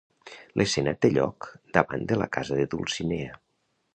L'escena té lloc davant de la casa de Dulcinea.